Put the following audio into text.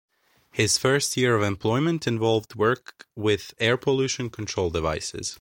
His first year of employment involved work with air pollution control devices.